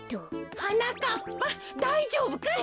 はなかっぱだいじょうぶかい？